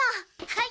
はい。